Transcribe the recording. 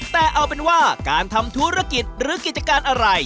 แต่เอาเป็นว่าการทำธุรกิจหรือกิจการอะไร